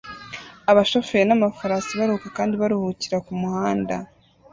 Abashoferi n'amafarasi baruhuka kandi baruhukira kumuhanda